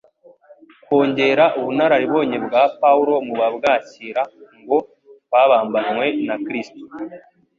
kongera ubunararibonye bwa Paulo mu babwakira ngo: "Twabambanywe na Kristo.